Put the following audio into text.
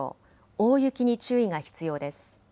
大雪に注意が必要です。